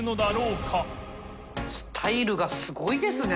スタイルがすごいですね。